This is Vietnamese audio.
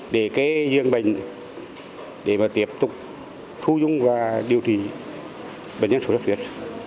gây dường bệnh để mà tiếp tục thu dung và điều trị bệnh nhân xuất xuất huyết